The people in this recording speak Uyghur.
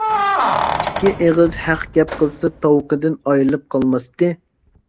ئىككى ئېغىز ھەق گەپ قىلسا تاۋىقىدىن ئايرىلىپ قالماستى.